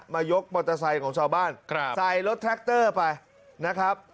มายกบอร์ตอไซค์ของชาวบ้านครับใส่รถทรัคเตอร์ไปนะครับ